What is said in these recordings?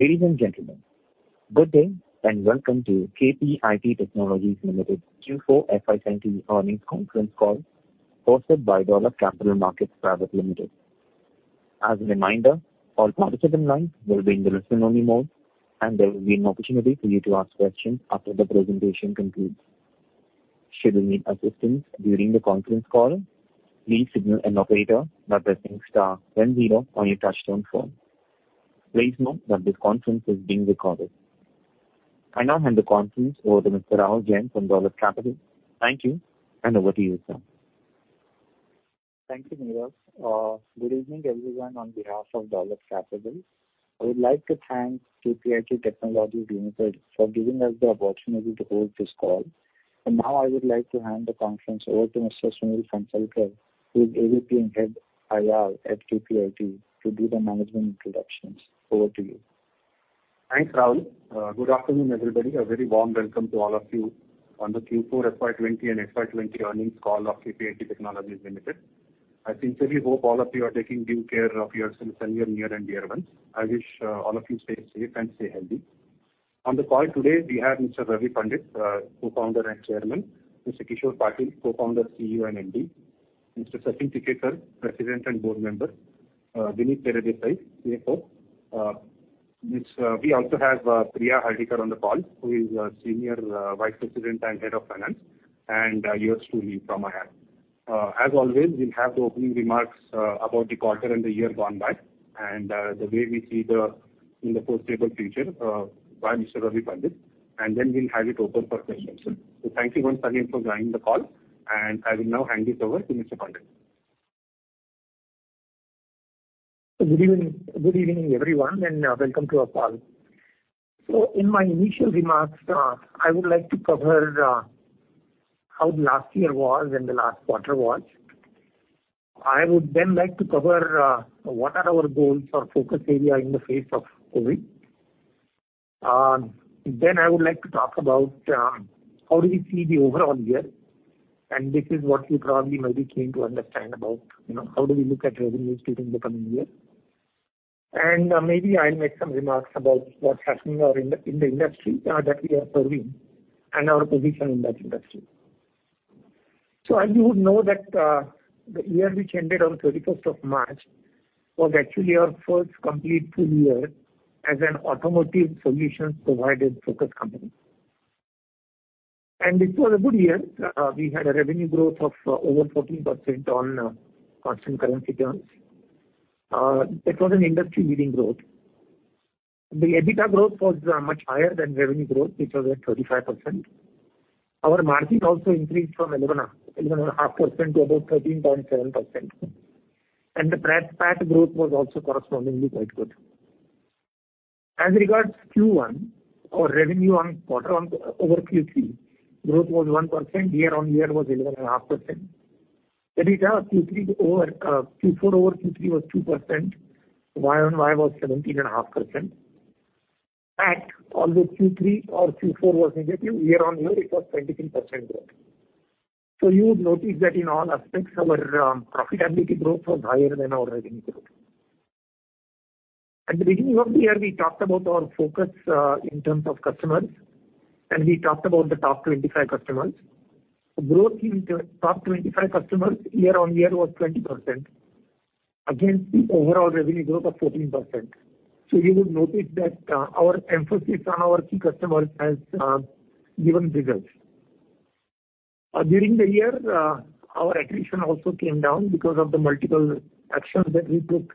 Ladies and gentlemen, good day and welcome to KPIT Technologies Limited Q4 FY 2020 earnings conference call hosted by Dolat Capital Market Private Limited. As a reminder, all participants lines will be in the listen-only mode, and there will be an opportunity for you to ask questions after the presentation concludes. Should you need assistance during the conference call, please signal an operator by pressing star then zero on your touchtone phone. Please note that this conference is being recorded. I now hand the conference over to Mr. Rahul Jain from Dolat Capital. Thank you, and over to you, sir. Thank you, Neeraj. Good evening, everyone, on behalf of Dolat Capital. I would like to thank KPIT Technologies Limited for giving us the opportunity to hold this call. Now I would like to hand the conference over to Mr. Sunil Phansalkar, who is AVP and Head IR at KPIT, to do the management introductions. Over to you. Thanks, Rahul. Good afternoon, everybody. A very warm welcome to all of you on the Q4 FY 2020 and FY 2020 earnings call of KPIT Technologies Limited. I sincerely hope all of you are taking due care of yourselves and your near and dear ones. I wish all of you stay safe and stay healthy. On the call today, we have Mr. Ravi Pandit, Co-founder and Chairman, Mr. Kishor Patil, Co-founder, CEO, and MD, Mr. Sachin Tikekar, President and Board Member, Vinit Teredesai, CFO. We also have Priya Hardikar on the call, who is Senior Vice President and Head of Finance, and a year or two from IIM. As always, we'll have the opening remarks about the quarter and the year gone by and the way we see in the foreseeable future by Mr. Ravi Pandit, and then we'll have it open for questions. Thanks again for joining the call, and I will now hand it over to Mr. Pandit. Good evening, everyone. Welcome to our call. In my initial remarks, I would like to cover how the last year was and the last quarter was. I would like to cover what are our goals or focus area in the face of COVID. I would like to talk about how do we see the overall year, and this is what you probably might be keen to understand about, how do we look at revenues during the coming year. Maybe I'll make some remarks about what's happening in the industry that we are serving and our position in that industry. As you would know that the year which ended on 31st of March was actually our first complete full year as an automotive solutions provider-focused company. It was a good year. We had a revenue growth of over 14% on constant currency terms. It was an industry-leading growth. The EBITDA growth was much higher than revenue growth, which was at 35%. Our margin also increased from 11.5% to about 13.7%. The PAT growth was also correspondingly quite good. As regards Q1 or revenue over Q3, growth was 1%, year-on-year was 11.5%. EBITDA Q4 over Q3 was 2%. Year-on-year was 17.5%. PAT, although Q3 or Q4 was negative, year-on-year it was 22% growth. You would notice that in all aspects, our profitability growth was higher than our revenue growth. At the beginning of the year, we talked about our focus in terms of customers, and we talked about the top 25 customers. Growth in top 25 customers year-on-year was 20%, against the overall revenue growth of 14%. You would notice that our emphasis on our key customers has given results. During the year, our attrition also came down because of the multiple actions that we took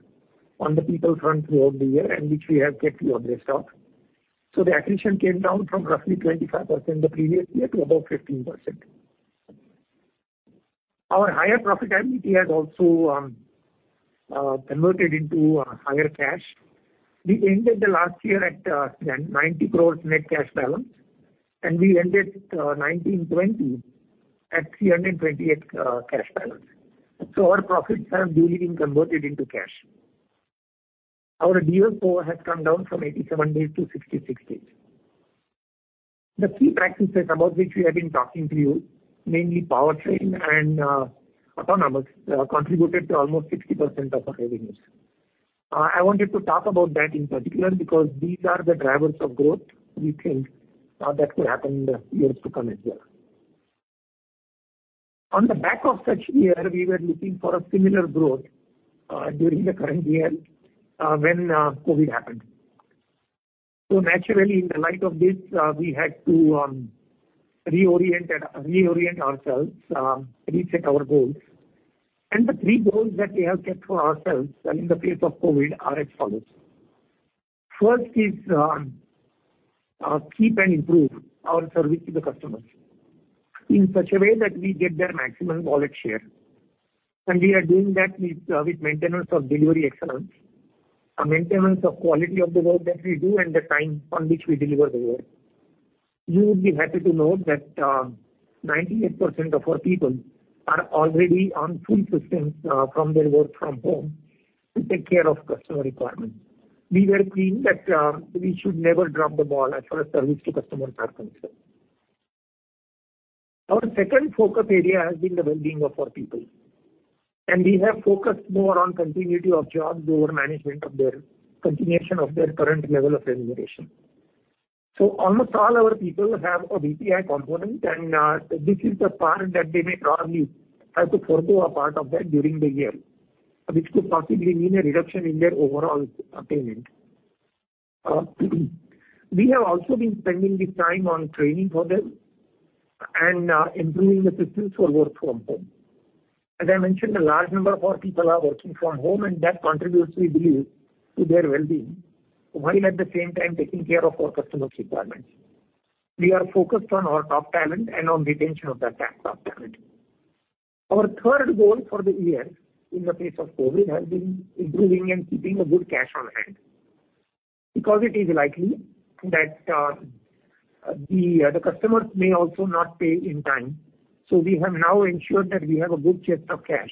on the people front throughout the year, and which we have kept you abreast of. The attrition came down from roughly 25% the previous year to about 15%. Our higher profitability has also converted into higher cash. We ended the last year at 90 crores net cash balance, and we ended 19/20 at 328 cash balance. Our profits have duly been converted into cash. Our DSO has come down from 87 days to 66 days. The key practices about which we have been talking to you, mainly powertrain and autonomous, contributed to almost 60% of our revenues. I wanted to talk about that in particular because these are the drivers of growth we think that will happen in the years to come as well. On the back of such year, we were looking for a similar growth during the current year when COVID happened. Naturally, in the light of this, we had to reorient ourselves, reset our goals. The three goals that we have kept for ourselves in the face of COVID are as follows. First is keep and improve our service to the customers in such a way that we get their maximum wallet share. We are doing that with maintenance of delivery excellence, maintenance of quality of the work that we do, and the time on which we deliver the work. You would be happy to note that 98% of our people are already on full systems from their work from home to take care of customer requirements. We were keen that we should never drop the ball as far as service to customer is concerned. Our second focus area has been the well-being of our people. We have focused more on continuity of jobs over management of their continuation of their current level of remuneration. Almost all our people have a VPI component, and this is the part that they may probably have to forego a part of that during the year, which could possibly mean a reduction in their overall payment. We have also been spending this time on training for them and improving the systems for work from home. As I mentioned, a large number of our people are working from home, that contributes, we believe, to their well-being, while at the same time taking care of our customers' requirements. We are focused on our top talent and on retention of that top talent. Our third goal for the year, in the face of COVID, has been improving and keeping a good cash on hand, because it is likely that the customers may also not pay in time. We have now ensured that we have a good chest of cash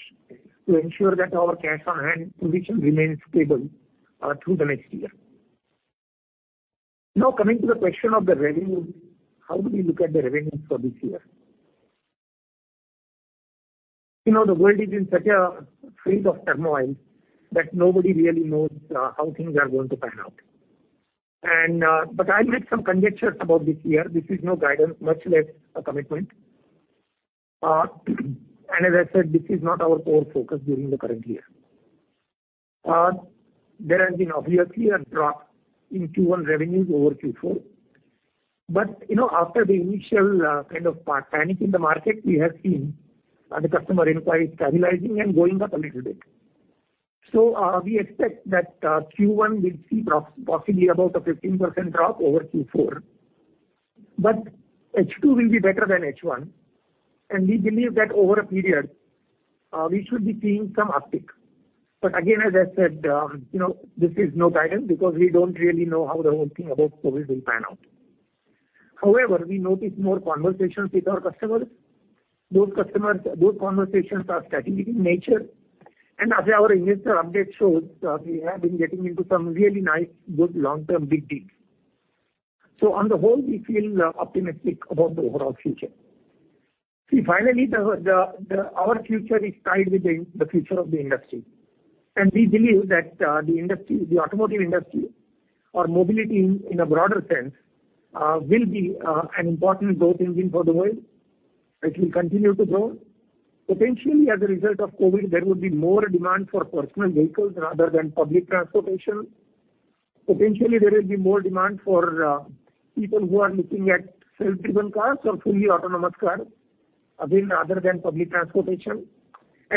to ensure that our cash on hand position remains stable through the next year. Coming to the question of the revenue, how do we look at the revenues for this year? You know, the world is in such a phase of turmoil that nobody really knows how things are going to pan out. I'll make some conjectures about this year. This is no guidance, much less a commitment. As I said, this is not our core focus during the current year. There has been obviously a drop in Q1 revenues over Q4. After the initial panic in the market, we have seen the customer inquiries stabilizing and going up a little bit. We expect that Q1 will see possibly about a 15% drop over Q4, but H2 will be better than H1. We believe that over a period, we should be seeing some uptick. Again, as I said, this is no guidance because we don't really know how the whole thing about COVID will pan out. We notice more conversations with our customers. Those conversations are strategic in nature. As our investor update shows, we have been getting into some really nice, good long-term big deals. On the whole, we feel optimistic about the overall future. See, finally, our future is tied with the future of the industry. We believe that the automotive industry or mobility in a broader sense, will be an important growth engine for the world. It will continue to grow. Potentially as a result of COVID, there would be more demand for personal vehicles rather than public transportation. Potentially, there will be more demand for people who are looking at self-driven cars or fully autonomous cars, again, rather than public transportation.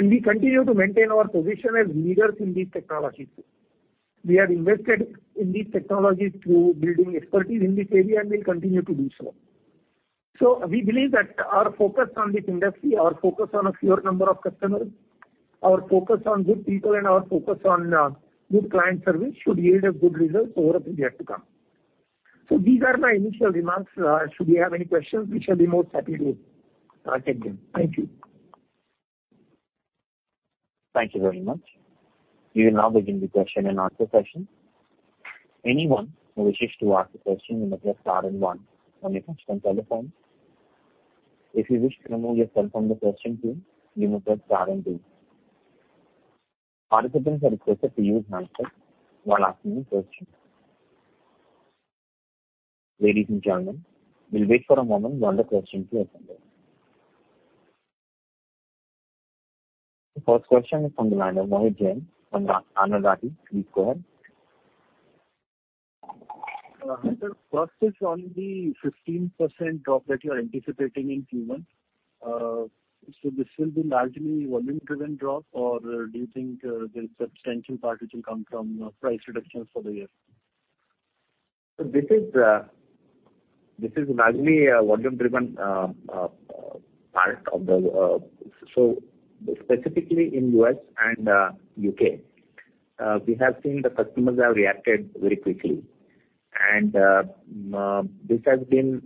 We continue to maintain our position as leaders in these technologies. We have invested in these technologies through building expertise in this area and will continue to do so. We believe that our focus on this industry, our focus on a fewer number of customers, our focus on good people, and our focus on good client service should yield us good results over a period to come. These are my initial remarks. Should we have any questions, we shall be more happy to take them. Thank you. Thank you very much. We will now begin the question and answer session. Anyone who wishes to ask a question may press star and one on your touchtone telephone. If you wish to remove yourself from the question queue, you may press star and two. Participants are requested to use handsets while asking a question. Ladies and gentlemen, we'll wait for a moment while the questions are coming in. The first question is from the line of Mohit Jain from IIFL Securities. Please go ahead. Hi, sir. First is on the 15% drop that you're anticipating in Q1. This will be largely volume-driven drop, or do you think the substantial part which will come from price reductions for the year? This is largely a volume-driven part. Specifically in U.S. and U.K., we have seen the customers have reacted very quickly. This has been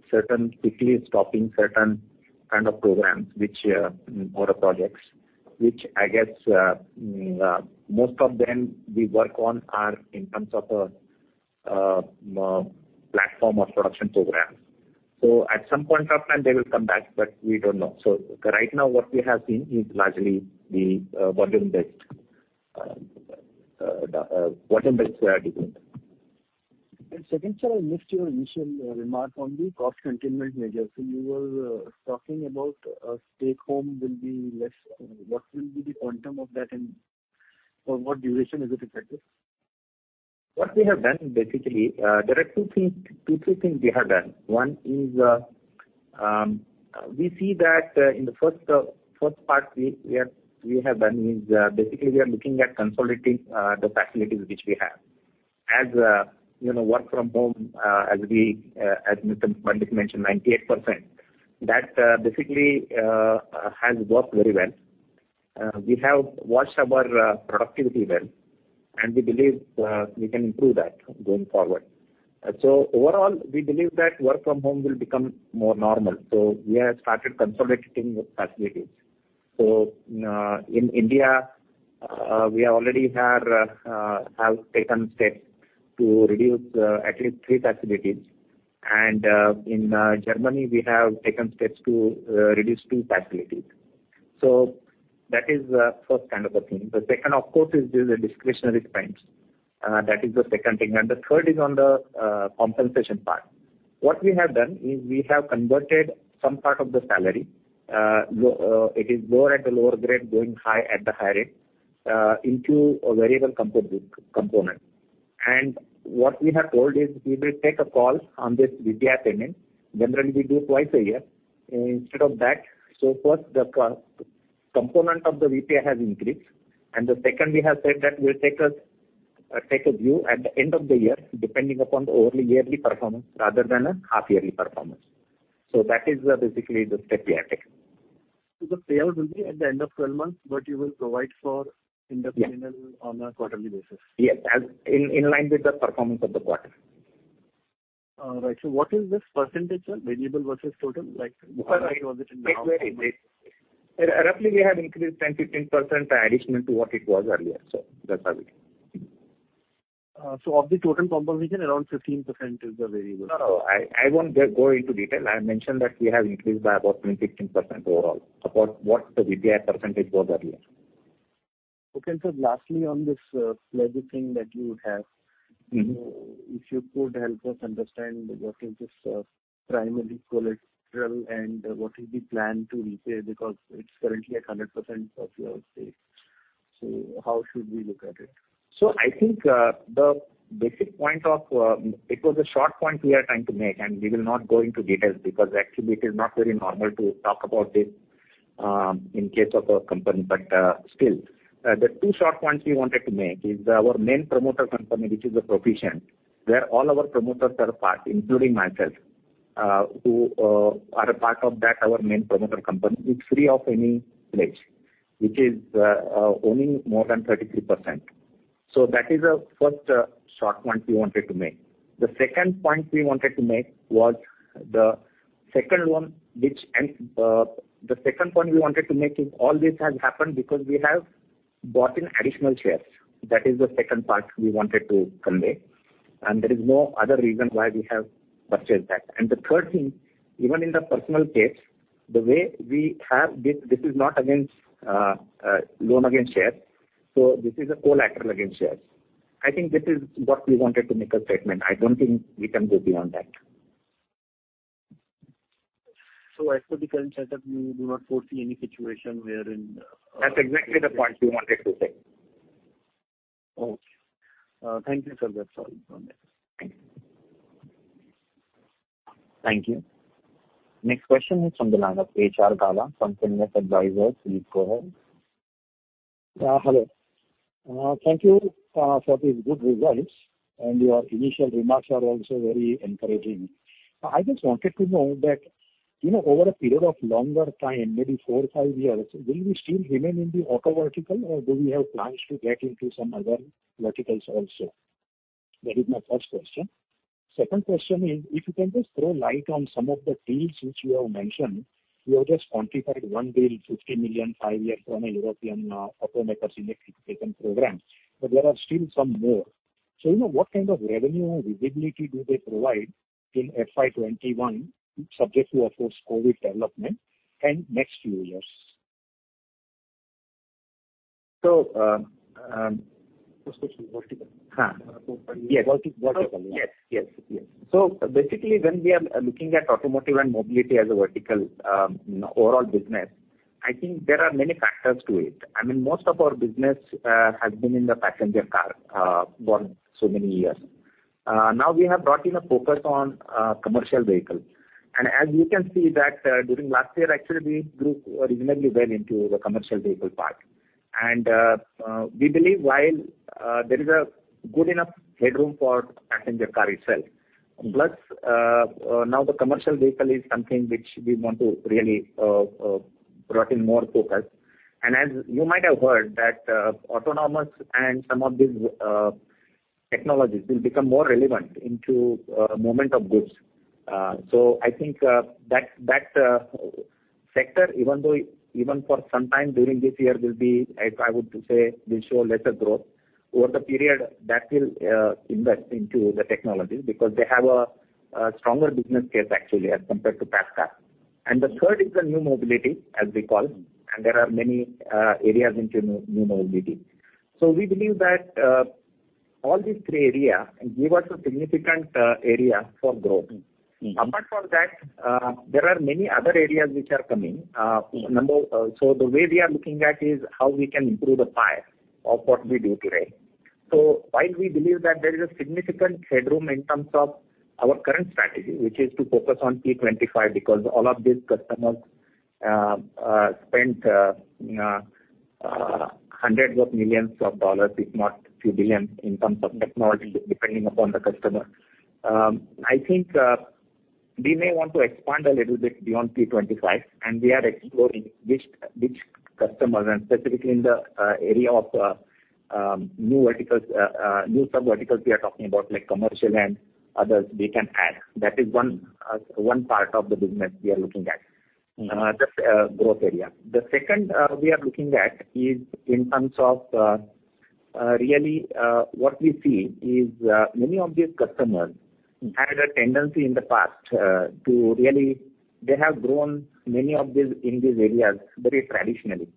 quickly stopping certain kind of programs, motor projects, which I guess most of them we work on are in terms of a platform of production programs. At some point of time they will come back, but we don't know. Right now what we have seen is largely the volume-based detriment. Second, sir, I missed your initial remark on the cost containment measures. You were talking about stay at home will be less. What will be the quantum of that and for what duration is it effective? What we have done, there are two, three things we have done. One is, we see that in the first part we have done is we are looking at consolidating the facilities which we have. As work from home, as Mr. Pandit mentioned, 98%, that has worked very well. We have watched our productivity well, and we believe we can improve that going forward. Overall, we believe that work from home will become more normal. We have started consolidating facilities. In India, we already have taken steps to reduce at least three facilities, and in Germany, we have taken steps to reduce two facilities. That is the first kind of a thing. The second, of course, is the discretionary spends. That is the second thing. The third is on the compensation part. What we have done is we have converted some part of the salary. It is lower at the lower grade, going high at the higher rate into a variable component. What we have told is we will take a call on this VPI payment. Generally, we do twice a year. Instead of that, first, the component of the VPI has increased, the second, we have said that we'll take a view at the end of the year, depending upon the overly yearly performance rather than a half-yearly performance. That is basically the step we have taken. The payout will be at the end of 12 months, but you will provide. individual on a quarterly basis. Yes. In line with the performance of the quarter. All right. What is this percentage, sir? Variable versus total? It's very- Was it in the last quarter? Roughly we have increased 10, 15% additional to what it was earlier, sir. That's how it is. Of the total compensation, around 15% is the variable. No, no. I won't go into detail. I mentioned that we have increased by about 10%-15% overall. About what the VPI % was earlier. Okay, sir. Lastly, on this pledge thing that you have. if you could help us understand what is this primary collateral and what is the plan to repay, because it's currently at 100% of your stake. How should we look at it? I think the basic point of, it was a short point we are trying to make, and we will not go into details because actually it is not very normal to talk about it in case of a company. Still, the two short points we wanted to make is our main promoter company, which is the Proficient, where all our promoters are part, including myself, who are a part of that, our main promoter company, is free of any pledge. Which is owning more than 33%. That is a first short point we wanted to make. The second point we wanted to make is all this has happened because we have bought in additional shares. That is the second part we wanted to convey. There is no other reason why we have purchased that. The third thing, even in the personal case, the way we have this is not against loan against shares. This is a collateral against shares. I think this is what we wanted to make a statement. I don't think we can go beyond that. As per the current setup, you do not foresee any situation wherein That's exactly the point we wanted to say. Okay. Thank you, sir. That's all from me. Thank you. Thank you. Next question is from the line of H.R. Gala from Fillip Advisors. Please go ahead. Hello. Thank you for these good results, and your initial remarks are also very encouraging. I just wanted to know that, over a period of longer time, maybe four or five years, will we still remain in the auto vertical, or do we have plans to get into some other verticals also? That is my first question. Second question is, if you can just throw light on some of the deals which you have mentioned. You have just quantified one deal, $50 million, five years from a European automaker's electrification program. There are still some more. What kind of revenue or visibility do they provide in FY 2021, subject to, of course, COVID development and next few years? So- First question, vertical. Yes, vertical. Yes. Basically, when we are looking at automotive and mobility as a vertical in overall business, I think there are many factors to it. I mean, most of our business has been in the passenger car for so many years. Now we have brought in a focus on commercial vehicles. As you can see that during last year, actually, we grew reasonably well into the commercial vehicle part. We believe while there is a good enough headroom for passenger car itself, plus now the commercial vehicle is something which we want to really brought in more focus. As you might have heard that autonomous and some of these technologies will become more relevant into movement of goods. I think that sector, even for some time during this year, will be, I would say, will show lesser growth over the period that will invest into the technology because they have a stronger business case, actually, as compared to past time. The third is the new mobility, as we call, and there are many areas into new mobility. We believe that all these three areas give us a significant area for growth. Apart from that, there are many other areas which are coming. The way we are looking at is how we can improve the pie of what we do today. While we believe that there is a significant headroom in terms of our current strategy, which is to focus on T25, because all of these customers spent hundreds of millions of USD, if not a few billion USD, in terms of technology, depending upon the customer. I think we may want to expand a little bit beyond P25, and we are exploring which customers, and specifically in the area of new sub-verticals we are talking about, like commercial and others we can add. That is one part of the business we are looking at. That's a growth area. The second we are looking at is really what we see is many of these customers had a tendency in the past. They have grown many in these areas very traditionally.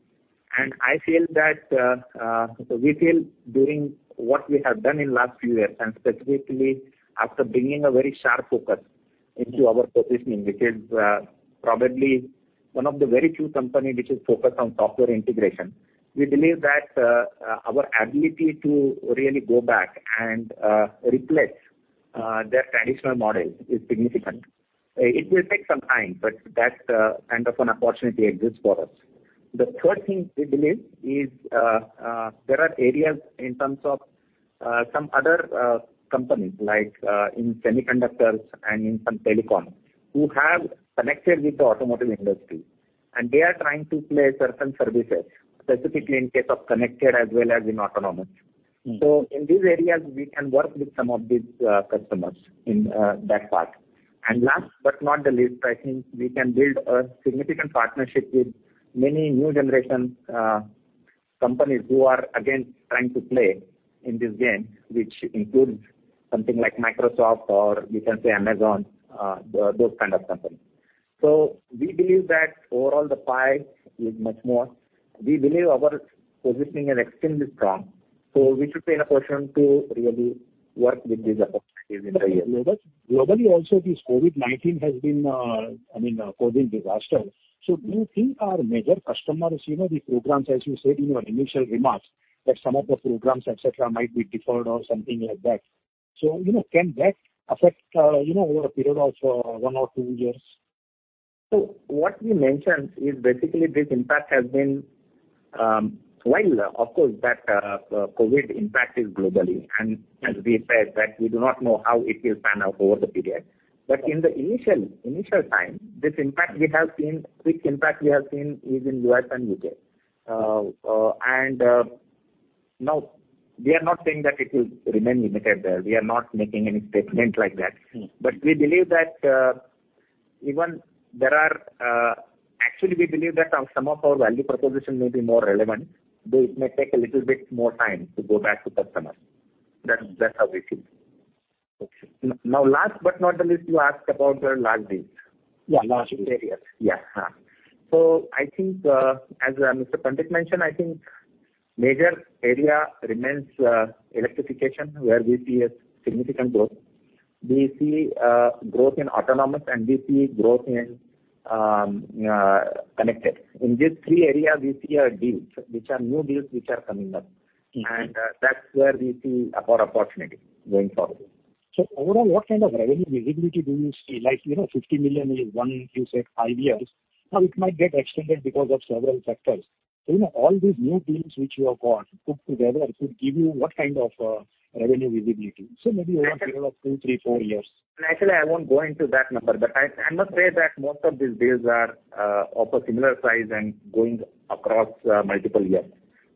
I feel that we feel doing what we have done in last few years, and specifically after bringing a very sharp focus into our positioning, which is probably one of the very few company which is focused on software integration. We believe that our ability to really go back and replace their traditional model is significant. It will take some time, but that kind of an opportunity exists for us. The third thing we believe is, there are areas in terms of some other companies, like in semiconductors and in some telecom, who have connected with the automotive industry, and they are trying to play certain services, specifically in case of connected as well as in autonomous. In these areas, we can work with some of these customers in that part. Last but not the least, I think we can build a significant partnership with many new generation companies who are, again, trying to play in this game, which includes something like Microsoft or you can say Amazon, those kind of companies. We believe that overall the pie is much more. We believe our positioning is extremely strong, so we should be in a position to really work with these opportunities in the years. Globally, this COVID-19 has been a COVID disaster. Do you think our major customers, the programs, as you said in your initial remarks, that some of the programs, et cetera, might be deferred or something like that. Can that affect our period of one or two years? What we mentioned is basically this impact has been While of course that COVID impact is globally, as we said that we do not know how it will pan out over the period, but in the initial time, this impact we have seen, quick impact we have seen is in U.S. and U.K. Now we are not saying that it will remain limited there. We are not making any statement like that. Actually, we believe that some of our value proposition may be more relevant, but it may take a little bit more time to go back to customers. That's how we feel. Okay. Now, last but not the least, you asked about the large deals. Yeah, large deals. Yeah. I think, as Mr. Pandit mentioned, I think major area remains electrification, where we see a significant growth. We see growth in autonomous, and we see growth in connected. In these three areas, we see deals, which are new deals which are coming up. That's where we see our opportunity going forward. Overall, what kind of revenue visibility do you see? 50 million in one, you said, five years. Now, it might get extended because of several factors. All these new deals which you have got put together could give you what kind of revenue visibility? of two, three, four years. Actually, I won't go into that number. I must say that most of these deals are of a similar size and going across multiple years.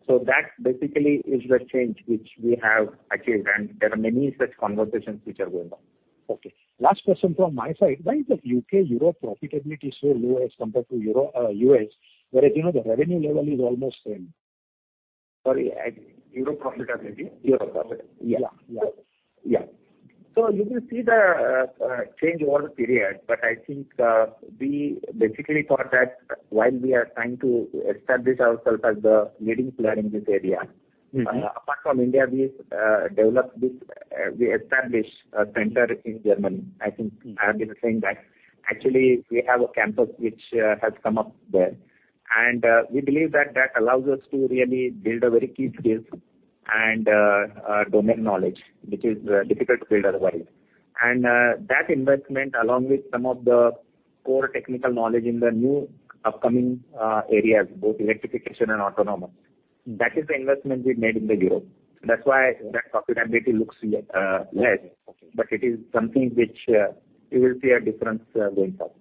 That basically is the change which we have achieved, and there are many such conversations which are going on. Okay. Last question from my side. Why is that U.K., Europe profitability so low as compared to U.S.? Whereas, the revenue level is almost same. Sorry, Europe profitability? Europe profit. Yeah. Yeah. You will see the change over the period. I think we basically thought that while we are trying to establish ourselves as the leading player in this area. Apart from India, we established a center in Germany. I think I have been saying that. Actually, we have a campus which has come up there. We believe that allows us to really build a very key skill and domain knowledge, which is difficult to build otherwise. That investment, along with some of the core technical knowledge in the new upcoming areas, both electrification and autonomous, that is the investment we've made in Europe. That's why that profitability looks less. Okay. It is something which you will see a difference going forward.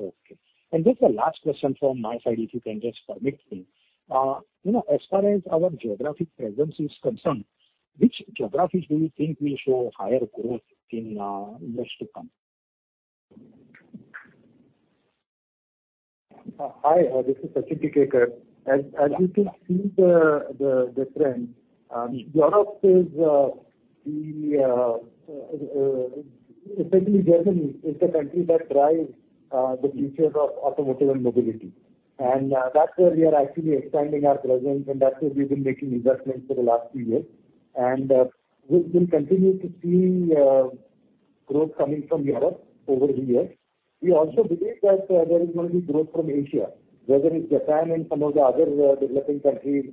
Okay. Just the last question from my side, if you can just permit me. As far as our geographic presence is concerned, which geographies do you think will show higher growth in years to come? Hi, this is Sachin Tikekar. As you can see the trend, essentially, Germany is the country that drives the future of automotive and mobility. That's where we are actually expanding our presence, and that's where we've been making investments for the last few years. We will continue to see growth coming from Europe over the years. We also believe that there is going to be growth from Asia. Whether it's Japan and some of the other developing countries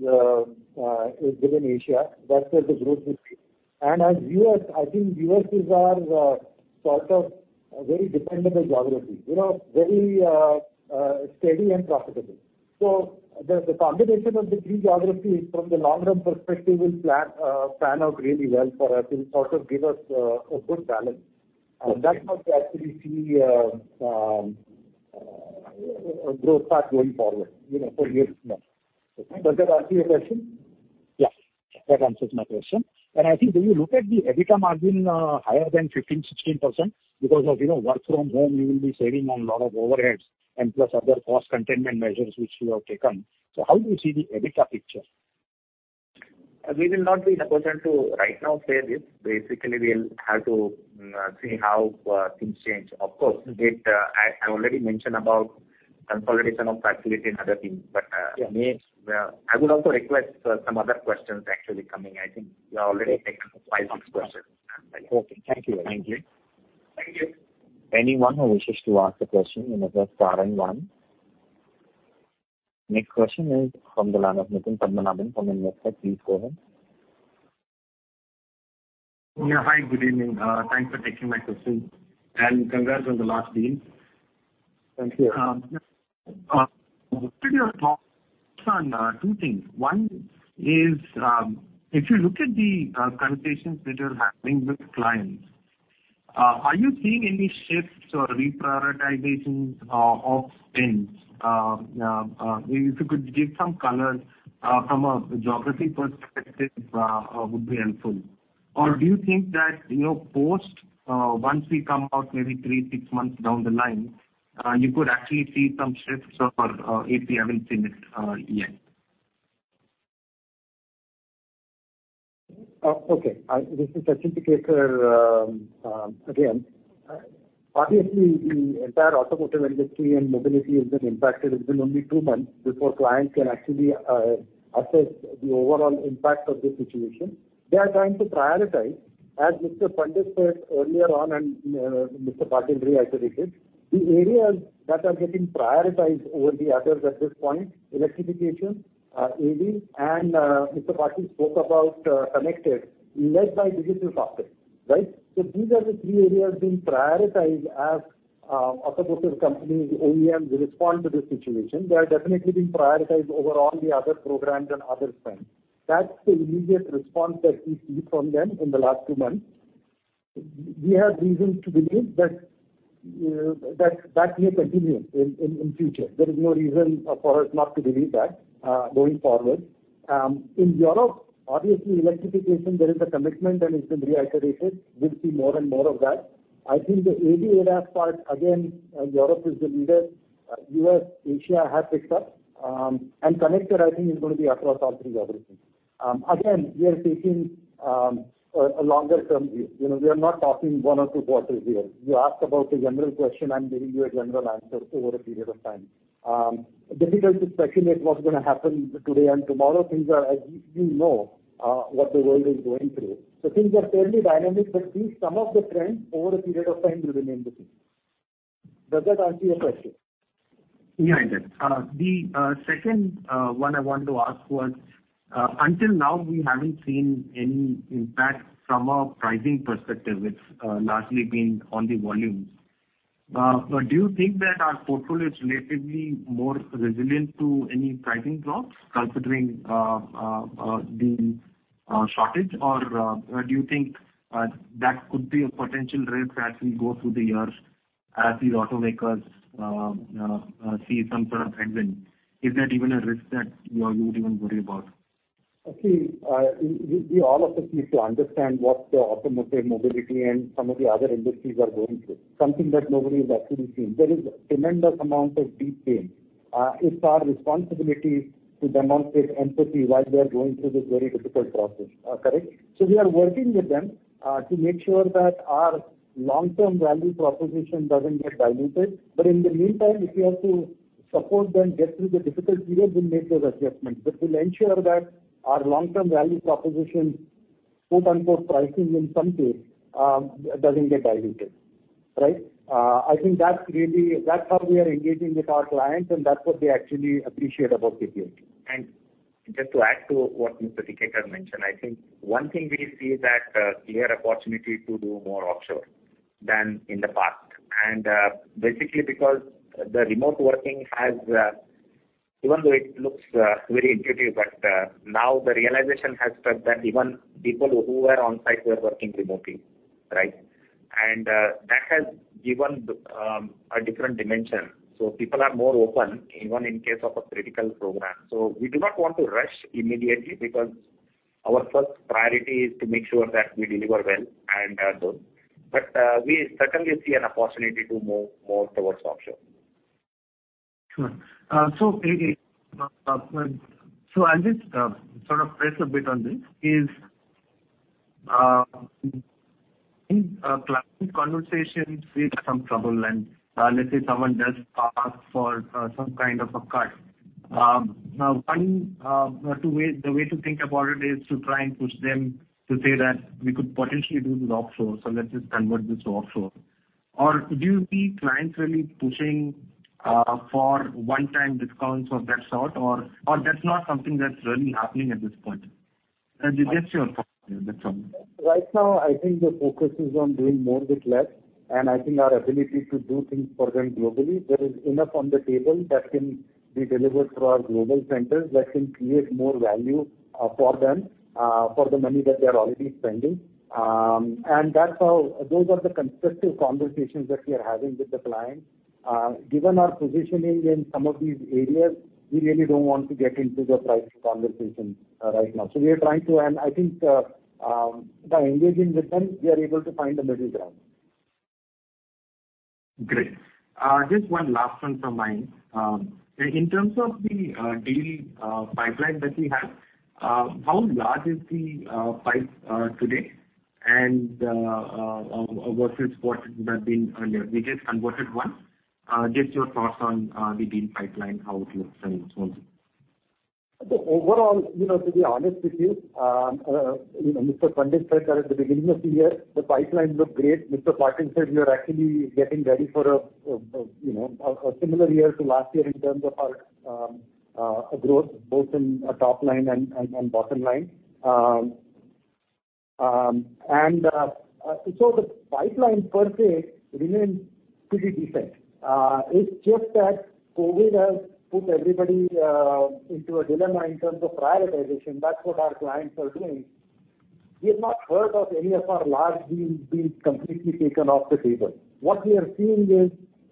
within Asia, that's where the growth will be. As U.S., I think U.S. is our sort of very dependable geography. Very steady and profitable. The combination of the three geographies from the long-term perspective will pan out really well for us and sort of give us a good balance. Okay. That's what we actually see. Growth path going forward for years now. Does that answer your question? Yeah, that answers my question. I think when you look at the EBITDA margin higher than 15%, 16%, because of work from home, you will be saving on a lot of overheads and plus other cost containment measures which you have taken. How do you see the EBITDA picture? We will not be in a position to right now say this. Basically, we'll have to see how things change. Of course, I already mentioned about consolidation of facility and other things. Yeah I would also request some other questions actually coming. I think you have already taken five, six questions. Okay. Thank you. Thank you. Thank you. Anyone who wishes to ask a question, you may press star and one. Next question is from the line of Nitin Padmanabhan from Investec. Please go ahead. Yeah, hi, good evening. Thanks for taking my question, and congrats on the last deal. Thank you. Two things. One is, if you look at the conversations that you're having with clients, are you seeing any shifts or reprioritizations of spends? If you could give some color from a geography perspective, would be helpful. Do you think that post, once we come out maybe three, six months down the line, you could actually see some shifts, or if we haven't seen it yet? Okay. This is Sachin Tikekar again. Obviously, the entire automotive industry and mobility has been impacted. It's been only two months before clients can actually assess the overall impact of the situation. They are trying to prioritize, as Mr. Pandit said earlier on, and Mr. Patil reiterated. The areas that are getting prioritized over the others at this point, electrification, AV, and Mr. Patil spoke about connected, led by digital software. These are the three areas being prioritized as automotive companies, OEMs respond to this situation. They are definitely being prioritized over all the other programs and other spends. That's the immediate response that we see from them in the last two months. We have reasons to believe that may continue in future. There is no reason for us not to believe that going forward. In Europe, obviously electrification, there is a commitment, and it's been reiterated. We'll see more and more of that. I think the ADAS part, again, Europe is the leader. U.S., Asia have picked up. Connected, I think, is going to be across all three geographies. Again, we are taking a longer-term view. We are not talking one or two quarters here. You asked about a general question, I'm giving you a general answer over a period of time. Difficult to speculate what's going to happen today and tomorrow. As you know, what the world is going through. Things are fairly dynamic, but some of the trends over a period of time will remain the same. Does that answer your question? Yeah, it does. The second one I wanted to ask was, until now we haven't seen any impact from a pricing perspective. It's largely been on the volumes. Do you think that our portfolio is relatively more resilient to any pricing drops considering the shortage? Do you think that could be a potential risk as we go through the years as these automakers see some sort of trend in? Is that even a risk that you would even worry about? We all of us need to understand what the automotive mobility and some of the other industries are going through, something that nobody has actually seen. There is a tremendous amount of deep pain. It's our responsibility to demonstrate empathy while they're going through this very difficult process. Correct? We are working with them to make sure that our long-term value proposition doesn't get diluted. In the meantime, if we have to support them get through the difficult period, we'll make those adjustments. We'll ensure that our long-term value proposition, quote-unquote, pricing in some case, doesn't get diluted. I think that's how we are engaging with our clients, and that's what they actually appreciate about KPIT. Just to add to what Mr. Tikekar mentioned, I think one thing we see is that a clear opportunity to do more offshore than in the past. Basically because the remote working has, even though it looks very intuitive, but now the realization has struck that even people who were on site were working remotely. That has given a different dimension. People are more open, even in case of a critical program. We do not want to rush immediately because our first priority is to make sure that we deliver well and well done. We certainly see an opportunity to move more towards offshore. Sure. I'll just sort of press a bit on this. In client conversations, we have some trouble and let's say someone does ask for some kind of a cut. One, the way to think about it is to try and push them to say that we could potentially do this offshore, so let's just convert this to offshore. Do you see clients really pushing for one-time discounts of that sort, or that's not something that's really happening at this point? That's your thought. Right now, I think the focus is on doing more with less, and I think our ability to do things for them globally. There is enough on the table that can be delivered through our global centers that can create more value for them for the money that they're already spending. Those are the constructive conversations that we are having with the clients. Given our positioning in some of these areas, we really don't want to get into the price conversations right now. I think by engaging with them, we are able to find a middle ground. Great. Just one last one from mine. In terms of the deal pipeline that we have, how large is the pipe today and versus what has been, we just converted one? Just your thoughts on the deal pipeline, how it looks and so on? Overall, to be honest with you, Mr. Pandit said that at the beginning of the year, the pipeline looked great. Mr. Patil said we are actually getting ready for a similar year to last year in terms of our growth, both in top line and bottom line. The pipeline per se remains pretty decent. It's just that COVID has put everybody into a dilemma in terms of prioritization. That's what our clients are doing. We have not heard of any of our large deals being completely taken off the table. What we are seeing is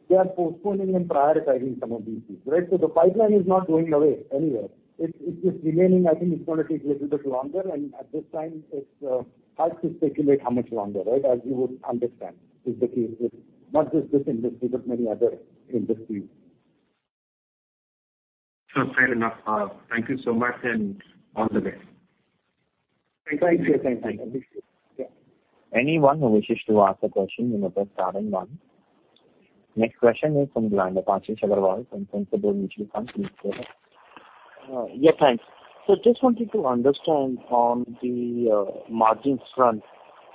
they are postponing and prioritizing some of these deals. The pipeline is not going away anywhere. It is remaining. I think it's going to take a little bit longer, and at this time it's hard to speculate how much longer. As you would understand, is the case with not just this industry but many other industries. Fair enough. Thank you so much, and all the best. Thank you. Anyone who wishes to ask a question you may press star and one. Next question is from the line of Ashish Aggarwal from Principal Mutual Fund. Please go ahead. Yeah, thanks. Just wanted to understand on the margins front,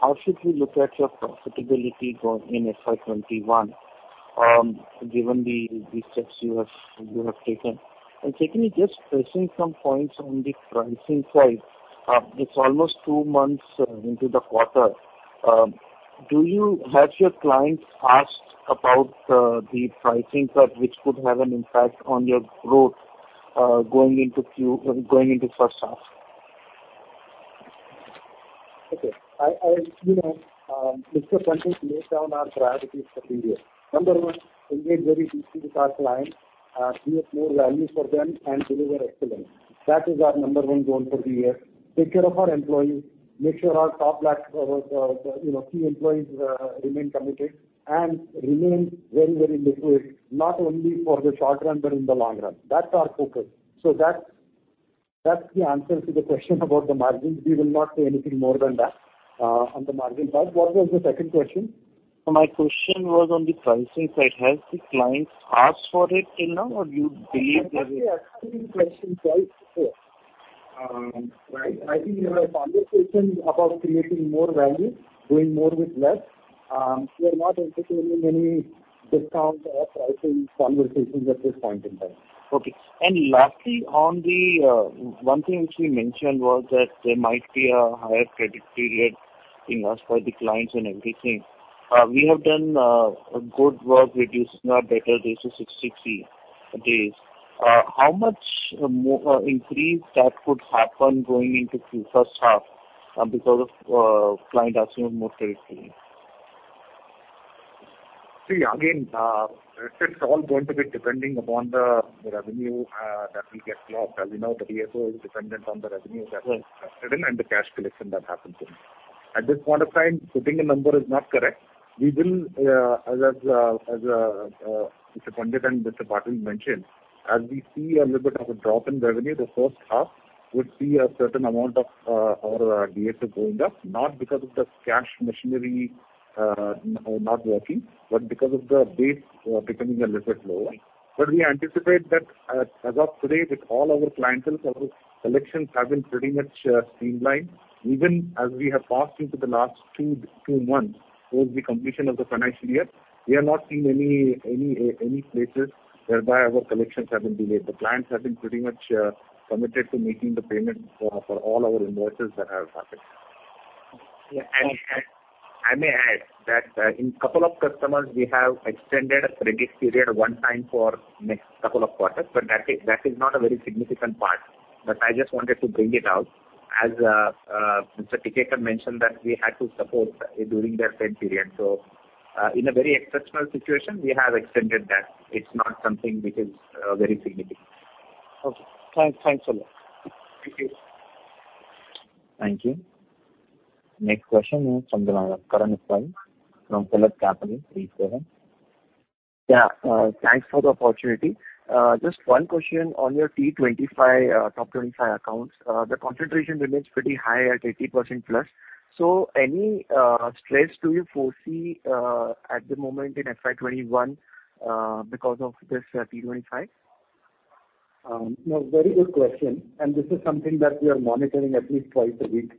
how should we look at your profitability in FY 2021, given the steps you have taken? Secondly, just pressing some points on the pricing side. It's almost two months into the quarter. Do you have your clients asked about the pricing cut which could have an impact on your growth going into first half? Okay. Mr. Pandit laid down our priorities for the year. Number one, engage very deeply with our clients, create more value for them and deliver excellence. That is our number one goal for the year. Take care of our employees, make sure our top few employees remain committed and remain very liquid, not only for the short run but in the long run. That's our focus. That's the answer to the question about the margins. We will not say anything more than that on the margin part. What was the second question? My question was on the pricing side. Have the clients asked for it till now? I think they're asking pricing twice a year. I think we are in conversations about creating more value, doing more with less. We are not entertaining any discounts or pricing conversations at this point in time. Okay. Lastly, one thing which you mentioned was that there might be a higher credit period for the clients and everything. We have done a good work reducing our debtor days to 66 days. How much increase that could happen going into first half because of client asking for more credit period? Again, it's all going to be depending upon the revenue that we get locked. As you know, the DSO is dependent on the revenue that was collected and the cash collection that happens in. At this point of time, putting a number is not correct. As Mr. Pandit and Mr. Patil mentioned, as we see a little bit of a drop in revenue the first half would see a certain amount of our DSO going up, not because of the cash machinery not working but because of the base becoming a little lower. We anticipate that as of today with all our clients, our collections have been pretty much streamlined. Even as we have passed into the last two months towards the completion of the financial year, we have not seen any places whereby our collections have been delayed. The clients have been pretty much committed to making the payment for all our invoices that have happened. I may add that in couple of customers we have extended credit period one time for next couple of quarters but that is not a very significant part. I just wanted to bring it out as Mr. Tikekar mentioned that we had to support during that same period. In a very exceptional situation we have extended that. It's not something which is very significant. Okay. Thanks a lot. Thank you. Thank you. Next question is from the line of Karan Desai from PhillipCapital. Please go ahead. Yeah. Thanks for the opportunity. Just one question on your T25, top 25 accounts. The concentration remains pretty high at 80% plus. Any stress do you foresee at the moment in FY21 because of this T25? No, very good question and this is something that we are monitoring at least twice a week.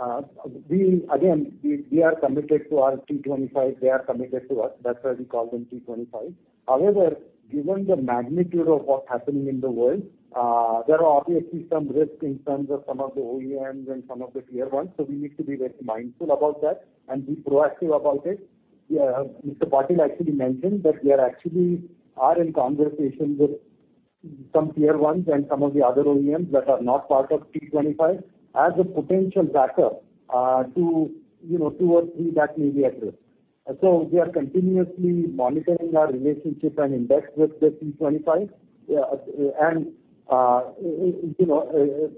Again, we are committed to our T25. They are committed to us. That's why we call them T25. However, given the magnitude of what's happening in the world, there are obviously some risks in terms of some of the OEMs and some of the tier ones so we need to be very mindful about that and be proactive about it. Mr. Patil actually mentioned that we actually are in conversations with some tier ones and some of the other OEMs that are not part of T25 as a potential backup to two or three that may be at risk. We are continuously monitoring our relationship and index with the T25, and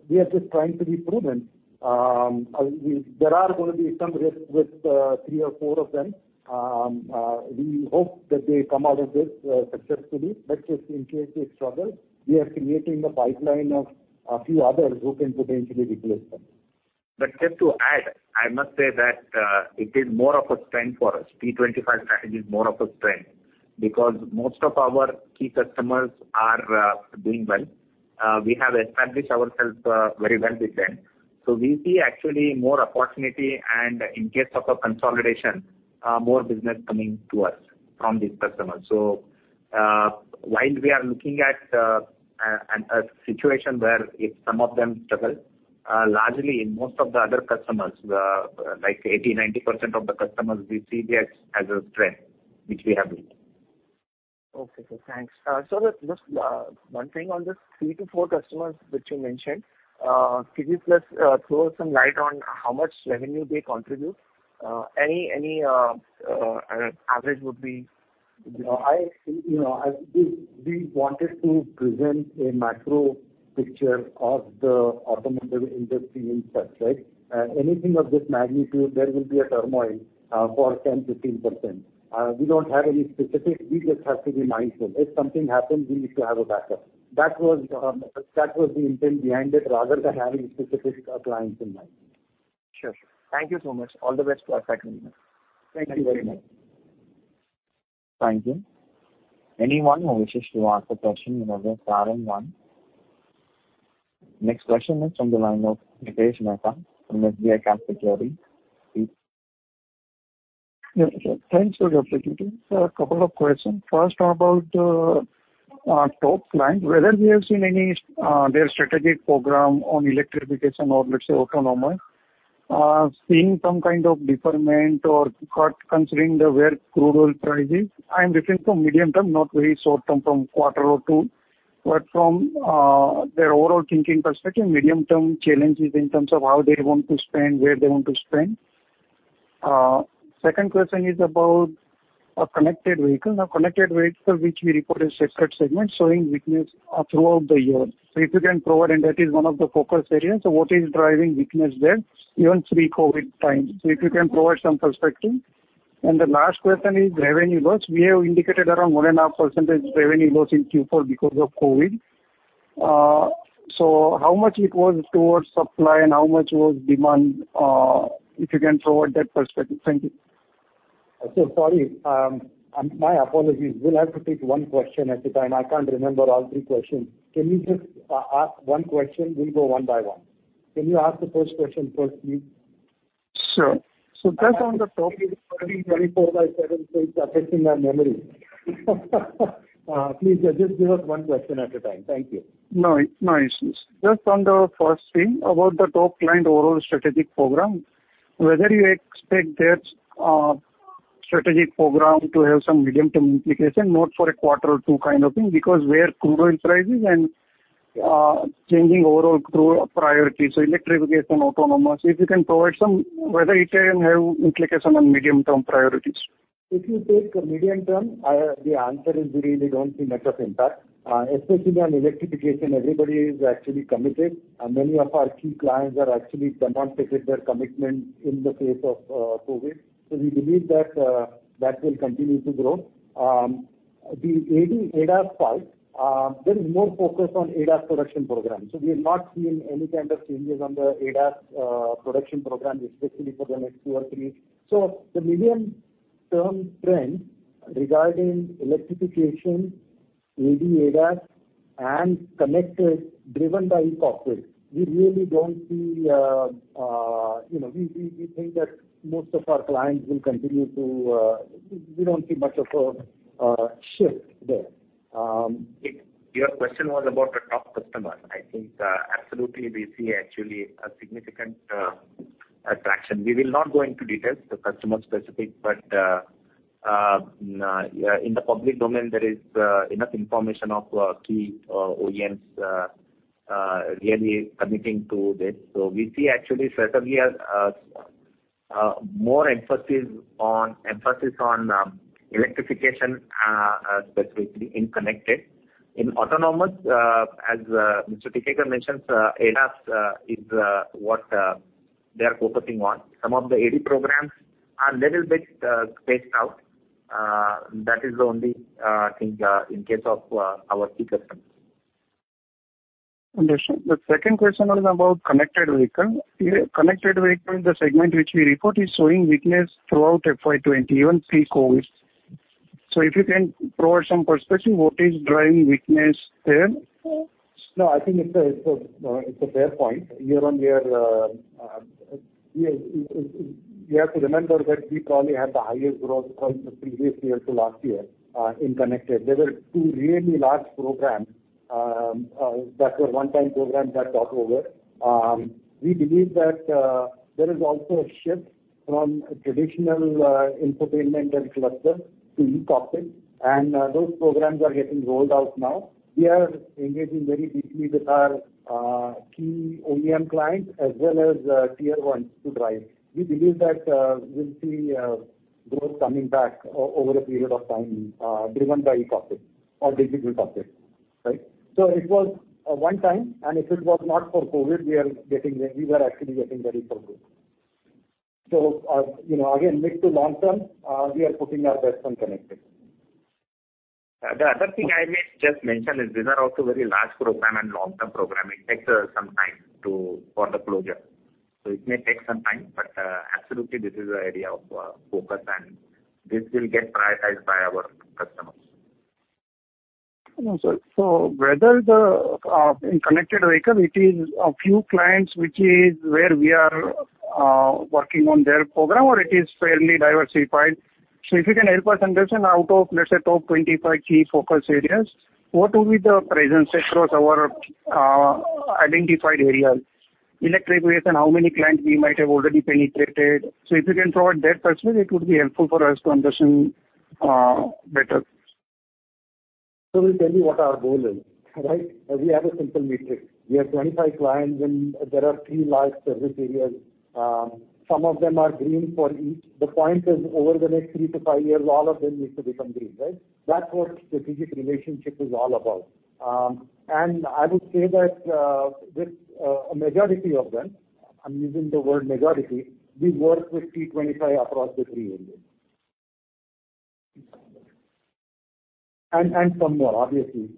we are just trying to be prudent. There are going to be some risk with three or four of them. We hope that they come out of this successfully. Just in case they struggle, we are creating a pipeline of a few others who can potentially replace them. Just to add, I must say that it is more of a strength for us. T25 strategy is more of a strength, because most of our key customers are doing well. We have established ourselves very well with them. We see actually more opportunity and, in case of a consolidation, more business coming to us from these customers. While we are looking at a situation where if some of them struggle, largely in most of the other customers, like 80%, 90% of the customers, we see this as a strength, which we have built. Okay, sir. Thanks. Just one thing on this, three to four customers which you mentioned, could you just throw some light on how much revenue they contribute? Any average would be. We wanted to present a macro picture of the automotive industry in such way. Anything of this magnitude, there will be a turmoil for 10%, 15%. We don't have any specific. We just have to be mindful. If something happens, we need to have a backup. That was the intent behind it, rather than having specific clients in mind. Sure. Thank you so much. All the best to our company. Thank you very much. Thank you. Anyone who wishes to ask a question, we have R1. Next question is from the line of Hitesh Mehta from SBI Capital Q1. Please. Yes, sir. Thanks for the opportunity. Sir, a couple of questions. First, about our top client, whether we have seen their strategic program on electrification or, let's say, autonomous, seeing some kind of deferment or cut considering the where crude oil prices. I am referring to medium-term, not very short-term from quarter or two, but from their overall thinking perspective, medium-term challenges in terms of how they want to spend, where they want to spend. Second question is about connected vehicles. Connected vehicles, which we report a separate segment, showing weakness throughout the year. If you can provide, and that is one of the focus areas, so what is driving weakness there even pre-COVID times? If you can provide some perspective. The last question is revenue loss. We have indicated around one-and-a-half percentage revenue loss in Q4 because of COVID. How much it was towards supply and how much was demand, if you can provide that perspective. Thank you. Sir, sorry. My apologies. We'll have to take one question at a time. I can't remember all three questions. Can you just ask one question? We'll go one by one. Can you ask the first question first, please? Sure. just on the top- We are working 24/7, so it's affecting our memory. Please just give us one question at a time. Thank you. No issues. Just on the first thing, about the top client overall strategic program, whether you expect their strategic program to have some medium-term implication, not for a quarter or two kind of thing, because where crude oil prices and changing overall priorities, so electrification, autonomous, if you can provide some, whether it can have implication on medium-term priorities? If you take medium-term, the answer is we really don't see much of impact. Especially on electrification, everybody is actually committed. Many of our key clients have actually demonstrated their commitment in the face of COVID. We believe that will continue to grow. The AD/ADAS part, there is more focus on ADAS production program. We have not seen any kind of changes on the ADAS production program, especially for the next two or three. The medium-term trend regarding electrification, AD/ADAS, and connected, driven by COVID, We don't see much of a shift there. Your question was about the top customer. I think, absolutely, we see actually a significant attraction. We will not go into details, the customer specific, but in the public domain, there is enough information of key OEMs really committing to this. We see actually certainly a more emphasis on electrification, specifically in connected. In autonomous, as Mr. Tikekar mentioned, ADAS is what they are focusing on. Some of the AD programs are little bit spaced out. That is the only thing in case of our key customers. Understood. The second question was about connected vehicle. Connected vehicle is the segment which we report is showing weakness throughout FY20, even pre-COVID. If you can provide some perspective, what is driving weakness there? No, I think it's a fair point. Year-over-year, you have to remember that we probably had the highest growth from the previous year to last year in connected. There were two really large programs that were one-time programs that got over. We believe that there is also a shift from traditional infotainment and cluster to e-cockpit, and those programs are getting rolled out now. We are engaging very deeply with our key OEM clients as well as tier 1s to drive. We believe that we'll see growth coming back over a period of time, driven by e-cockpit or digital cockpit. It was a one-time, and if it was not for COVID, we were actually getting very focused. Again, mid to long term, we are putting our best on connected. The other thing I may just mention is these are also very large program and long-term program. It takes some time for the closure. It may take some time, but absolutely, this is the area of focus, and this will get prioritized by our customers. Hello, sir. Whether the, in connected vehicle, it is a few clients, which is where we are working on their program, or it is fairly diversified. If you can help us understand out of, let's say, top 25 key focus areas, what will be the presence across our identified areas, electric vehicles, and how many clients we might have already penetrated? If you can provide that perspective, it would be helpful for us to understand better. We'll tell you what our goal is. We have a simple matrix. We have 25 clients and there are three large service areas. Some of them are green for each. The point is, over the next three to five years, all of them need to become green, right? That's what strategic relationship is all about. I would say that with a majority of them, I'm using the word majority, we work with T25 across the three areas. Some more, obviously.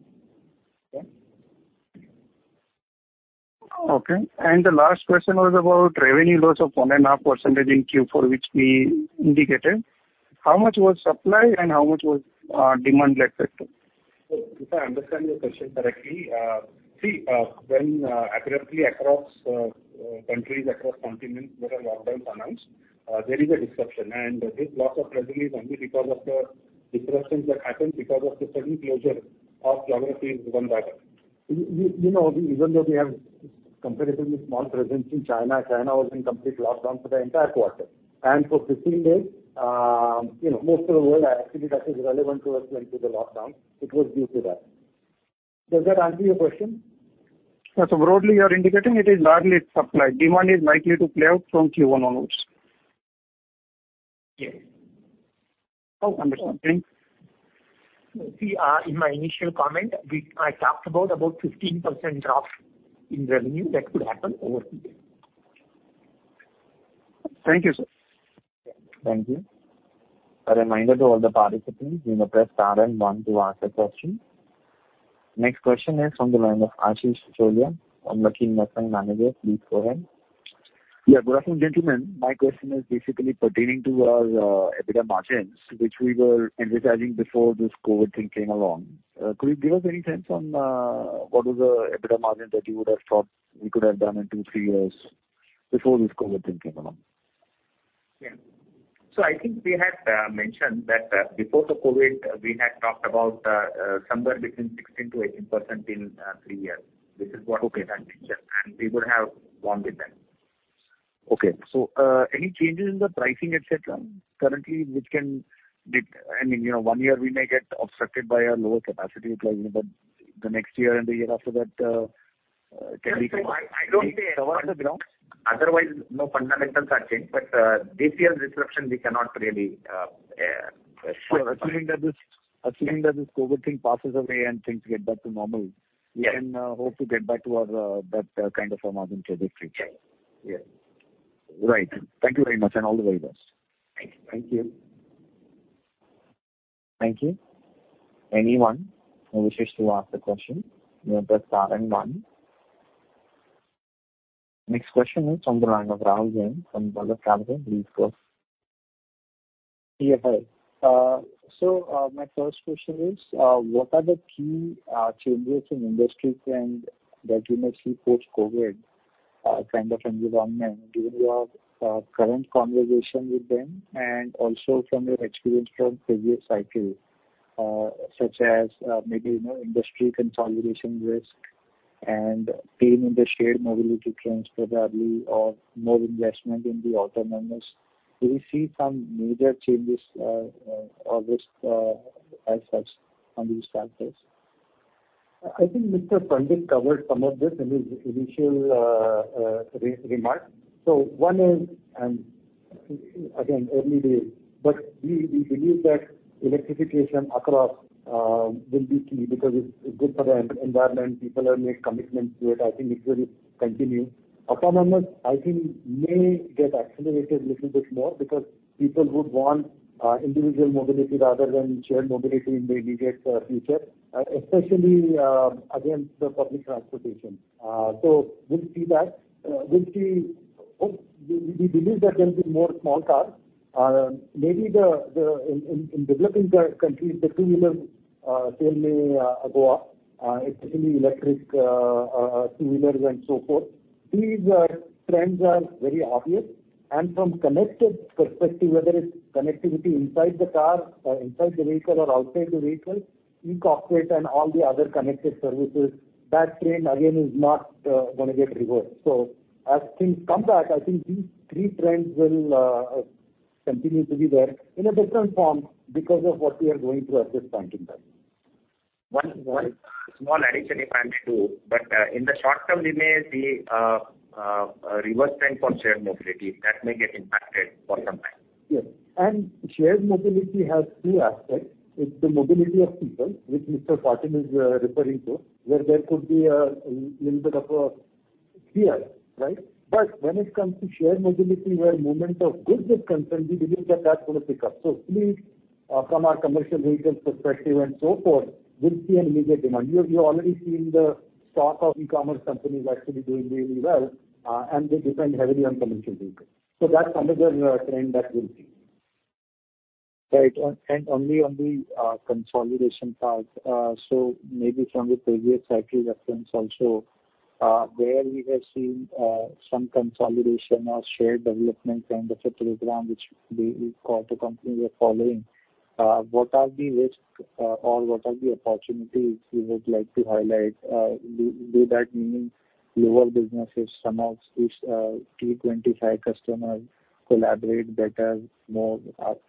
Okay. The last question was about revenue loss of one and a half % in Q4, which we indicated. How much was supply and how much was demand-led sector? If I understand your question correctly, see, when abruptly across countries, across continents, there are lockdowns announced, there is a disruption. This loss of revenue is only because of the disruptions that happened because of the sudden closure of geography. Even though we have comparatively small presence in China was in complete lockdown for the entire quarter. For 15 days, most of the world actually that is relevant to us went to the lockdown. It was due to that. Does that answer your question? Broadly, you are indicating it is largely supply. Demand is likely to play out from Q1 onwards. Yes. Understood. Thanks. See, in my initial comment, I talked about 15% drop in revenue that could happen over two years. Thank you, sir. Thank you. A reminder to all the participants, you may press star and one to ask a question. Next question is from the line of Ashish Kacholia on the King manager. Please go ahead. Yeah, good afternoon, gentlemen. My question is basically pertaining to our EBITDA margins, which we were emphasizing before this COVID thing came along. Could you give us any sense on what was the EBITDA margin that you would have thought we could have done in two, three years before this COVID thing came along? Yeah. I think we had mentioned that before the COVID, we had talked about somewhere between 16%-18% in three years. Okay had mentioned, we would have gone with that. Okay. Any changes in the pricing, et cetera, currently, which can I mean, one year we may get obstructed by a lower capacity utilization, but the next year and the year after that, can we. I don't see- cover the ground? Otherwise, no fundamentals are changed. This year's disruption, we cannot really forecast. Assuming that this COVID thing passes away and things get back to normal. Yeah we can hope to get back to that kind of a margin for the future. Yeah. Right. Thank you very much, and all the very best. Thank you. Thank you. Anyone who wishes to ask the question, you may press star and one. Next question is from the line of Rahul Jain from Kotak Securities. Please go ahead. Yeah, hi. My first question is, what are the key changes in industry trends that you may see post-COVID kind of environment given your current conversation with them and also from your experience from previous cycles, such as maybe industry consolidation risk and pain in the shared mobility trends probably, or more investment in the autonomous? Do you see some major changes or risk as such on these factors? I think Mr. Pandit covered some of this in his initial remarks. One is, again, early days, we believe that electrification across will be key because it's good for the environment. People have made commitments to it. I think it will continue. Autonomous, I think, may get accelerated a little bit more because people would want individual mobility rather than shared mobility in the immediate future, especially against the public transportation. We'll see that. We believe there can be more small cars. Maybe in developing countries, the two-wheeler sale may go up, especially electric two-wheelers and so forth. These trends are very obvious. From connected perspective, whether it's connectivity inside the car or inside the vehicle or outside the vehicle, e-cockpit and all the other connected services, that trend again is not going to get reversed. As things come back, I think these three trends will continue to be there in a different form because of what we are going through at this point in time. One small addition, if I may, too, but in the short term, we may see a reverse trend for shared mobility that may get impacted for some time. Yes. Shared mobility has two aspects. It's the mobility of people, which Mr. Patil is referring to, where there could be a little bit of a fear, right? When it comes to shared mobility where movement of goods is concerned, we believe that that's going to pick up. Fleet from our commercial vehicles perspective and so forth, we'll see an immediate demand. You're already seeing the stock of e-commerce companies actually doing really well, and they depend heavily on commercial vehicles. That's another trend that we'll see. Right. Only on the consolidation part, maybe from the previous cycle reference also, where we have seen some consolidation or shared development kind of a program which the auto company were following, what are the risks or what are the opportunities you would like to highlight? Do that mean your businesses, some of these T25 customers collaborate better, more?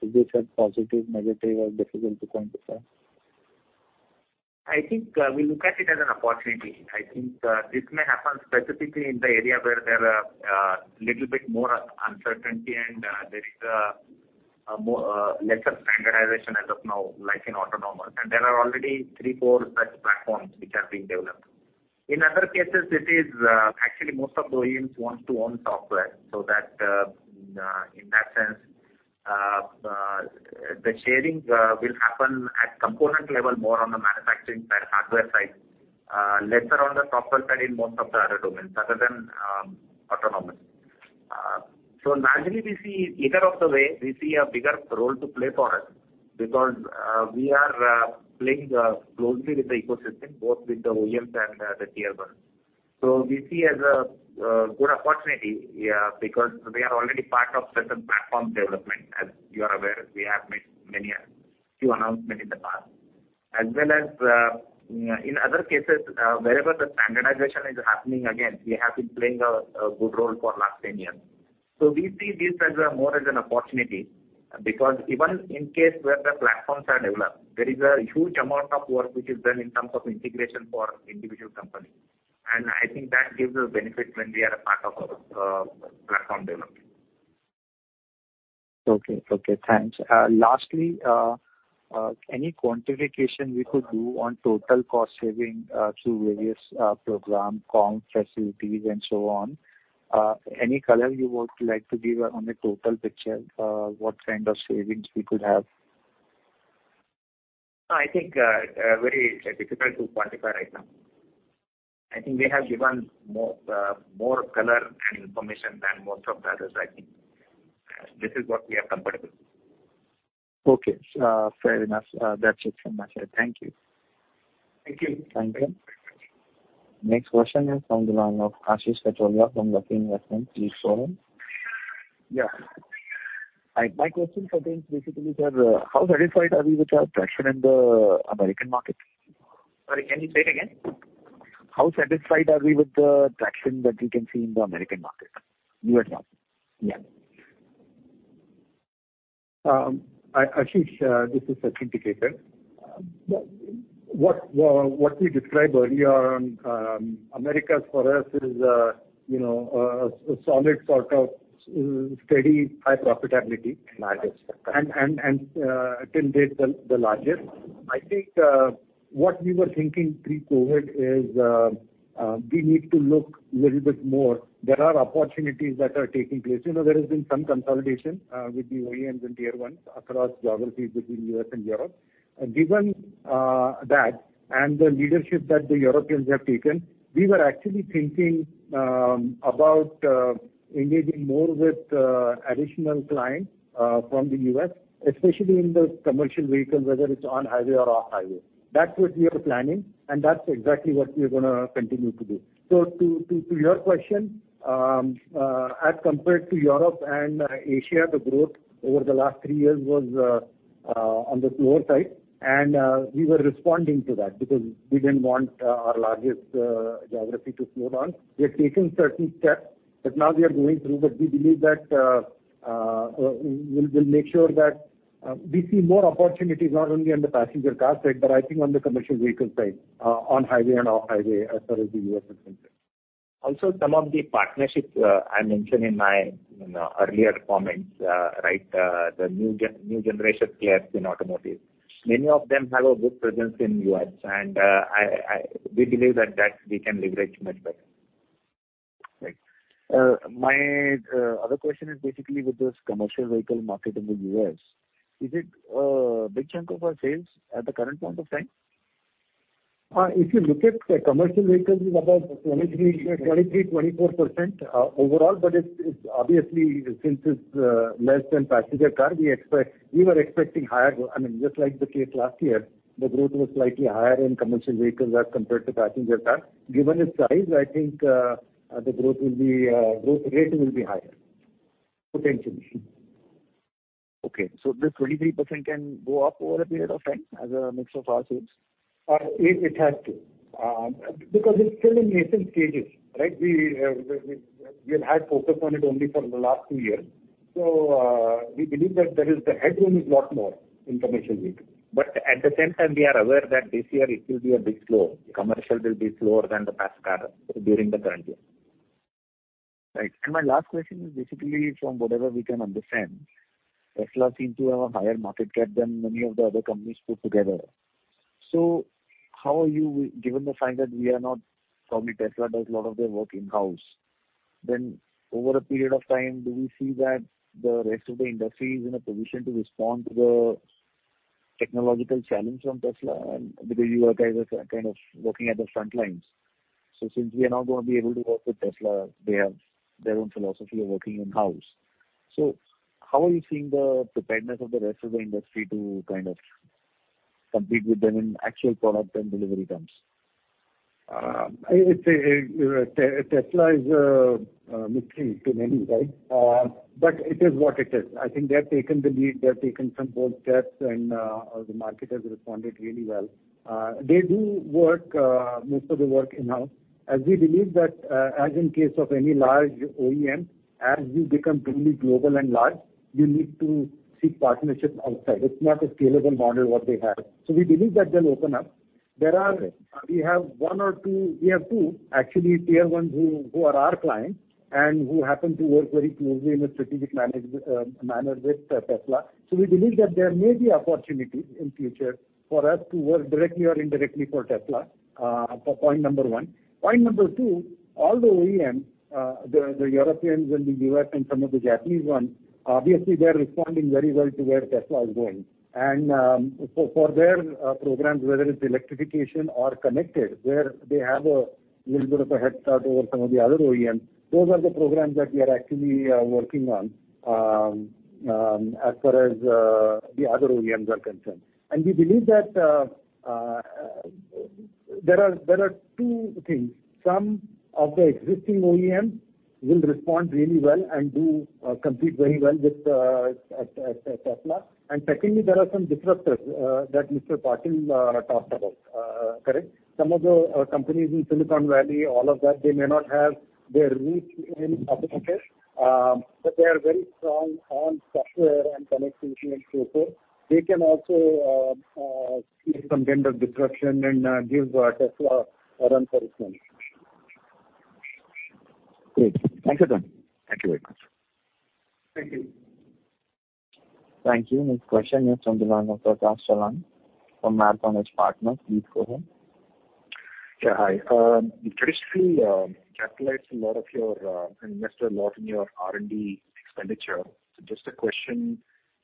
Is this a positive, negative, or difficult to quantify? I think we look at it as an opportunity. I think this may happen specifically in the area where there are little bit more uncertainty and there is lesser standardization as of now, like in autonomous. There are already three, four such platforms which are being developed. In other cases, it is actually most of the OEMs want to own software, so in that sense, the sharing will happen at component level, more on the manufacturing side, hardware side, lesser on the software side in most of the other domains other than autonomous. Naturally, either of the way, we see a bigger role to play for us because, we are playing closely with the ecosystem, both with the OEMs and the tier 1s. We see as a good opportunity, yeah, because we are already part of certain platform development. As you are aware, we have made few announcements in the past. In other cases, wherever the standardization is happening, again, we have been playing a good role for last 10 years. We see this more as an opportunity, because even in case where the platforms are developed, there is a huge amount of work which is done in terms of integration for individual company. I think that gives a benefit when we are a part of platform development. Okay. Thanks. Lastly, any quantification we could do on total cost saving, through various programs, comms, facilities and so on? Any color you would like to give on the total picture, what kind of savings we could have? I think very difficult to quantify right now. I think we have given more color and information than most of the others, I think. This is what we are comfortable with. Okay. Fair enough. That's it from my side. Thank you. Thank you. Thank you. Next question is from the line of Ashish Khetan from Kotak Investments. Please go ahead. Yeah. My question for them basically, sir, how satisfied are we with our traction in the American market? Sorry, can you say it again? How satisfied are we with the traction that we can see in the American market? U.S. market. Yeah. Ashish, this is Sachin Tikekar. What we described earlier on, Americas for us is a solid sort of steady high profitability. Largest Till date the largest. I think, what we were thinking pre-COVID is, we need to look little bit more. There are opportunities that are taking place. There has been some consolidation with the OEMs and Tier ones across geographies between U.S. and Europe. Given that, and the leadership that the Europeans have taken, we were actually thinking about engaging more with additional clients from the U.S., especially in the commercial vehicle, whether it's on-highway or off-highway. That was we were planning, and that's exactly what we're going to continue to do. To your question, as compared to Europe and Asia, the growth over the last three years was on the lower side, and we were responding to that because we didn't want our largest geography to slow down. We have taken certain steps that now we are going through, but we believe that we'll make sure that we see more opportunities not only on the passenger car side, but I think on the commercial vehicle side, on-highway and off-highway as far as the U.S. is concerned. Also, some of the partnerships I mentioned in my earlier comments, the new generation players in automotive, many of them have a good presence in U.S., and we believe that we can leverage much better. Right. My other question is basically with this commercial vehicle market in the U.S. Is it a big chunk of our sales at the current point of time? If you look at commercial vehicles, we're about 23%-24% overall, but obviously, since it's less than passenger cars, we were expecting higher. Just like the case last year, the growth was slightly higher in commercial vehicles as compared to passenger cars. Given its size, I think the growth rate will be higher, potentially. Okay. This 23% can go up over a period of time as a mix of our sales? It has to. It's still in nascent stages, right. We have had focus on it only for the last two years. We believe that the headroom is a lot more in commercial vehicles. At the same time, we are aware that this year it will be a bit slow. Commercial will be slower than the passenger car during the current year. Right. My last question is basically from whatever we can understand, Tesla seems to have a higher market cap than many of the other companies put together. How are you, given the fact that we are not, probably Tesla does a lot of their work in-house. Over a period of time, do we see that the rest of the industry is in a position to respond to the technological challenge from Tesla? Because you guys are kind of working at the front lines. Since we are not going to be able to work with Tesla, they have their own philosophy of working in-house. How are you seeing the preparedness of the rest of the industry to kind of compete with them in actual product and delivery terms? Tesla is a mystery to many, right? It is what it is. I think they have taken the lead, they have taken some bold steps, and the market has responded really well. They do most of the work in-house. As we believe that, as in case of any large OEM, as you become truly global and large, you need to seek partnerships outside. It's not a scalable model, what they have. We believe that they'll open up. We have two, actually, tier ones who are our clients and who happen to work very closely in a strategic manner with Tesla. We believe that there may be opportunity in future for us to work directly or indirectly for Tesla, for point number one. Point number two, all the OEMs, the Europeans and the U.S. and some of the Japanese ones, obviously they're responding very well to where Tesla is going. For their programs, whether it's electrification or connected, where they have a little bit of a head start over some of the other OEMs, those are the programs that we are actually working on, as far as the other OEMs are concerned. We believe that there are two things. Some of the existing OEMs will respond really well and do compete very well with Tesla. Secondly, there are some disruptors that Mr. Patil talked about. Correct? Some of the companies in Silicon Valley, all of that, they may not have the reach in automotive, but they are very strong on software and connectivity and so forth. They can also see some kind of disruption and give Tesla a run for its money. Great. Thanks, Adarsh. Thank you very much. Thank you. Thank you. Next question is from the line of Prakash Chellam from Marathon Edge Partners. Please go ahead. Yeah, hi. You traditionally capitalized a lot of your, invested a lot in your R&D expenditure. Just a question,